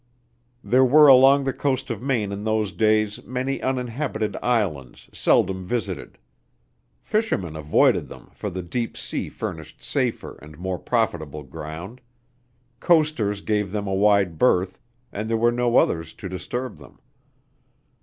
There were along the coast of Maine in those days many uninhabited islands seldom visited. Fishermen avoided them, for the deep sea furnished safer and more profitable ground; coasters gave them a wide berth, and there were no others to disturb them.